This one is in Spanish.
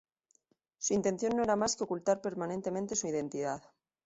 Su intención no era más que ocultar permanentemente su identidad.